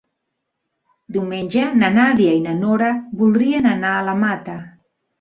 Diumenge na Nàdia i na Nora voldrien anar a la Mata.